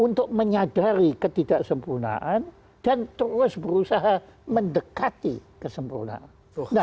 untuk menyadari ketidaksempurnaan dan terus berusaha mendekati kesempurnaan